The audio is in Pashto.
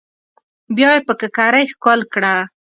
بيا يې پر ککرۍ ښکل کړه.